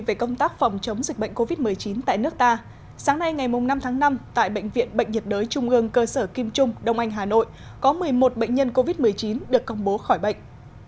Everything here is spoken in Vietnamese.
về công tác phòng chống dịch bệnh covid một mươi chín tại nước ta sáng nay ngày năm tháng năm tại bệnh viện bệnh nhiệt đới trung ương cơ sở kim trung đông anh hà nội có một mươi một bệnh nhân covid một mươi chín được công bố khỏi bệnh